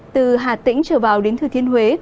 từ hà tĩnh trở vào đến thừa thiên huế